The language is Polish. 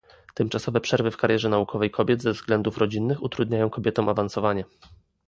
Tymczasowe przerwy w karierze naukowej kobiet ze względów rodzinnych utrudniają kobietom awansowanie